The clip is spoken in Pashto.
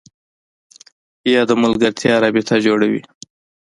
یا د ملګرتیا رابطه جوړوي